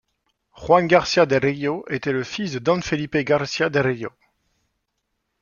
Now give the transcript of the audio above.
Juan Garcia del Rio était le fils de don Felipe García Del Río.